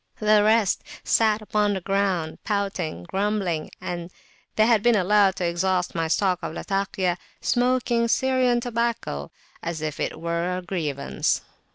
The rest sat upon the ground, pouting, grumbling, and they had been allowed to exhaust my stock of Latakia smoking Syrian tobacco as if it were a grievance.